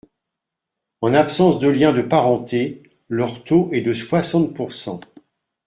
En l’absence de lien de parenté, leur taux est de soixante pourcent.